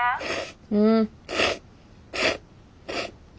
うん。